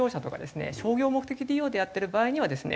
商業目的利用でやってる場合にはですね